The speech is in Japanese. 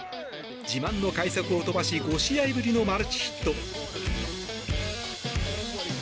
自慢の快足を飛ばし５試合ぶりのマルチヒット。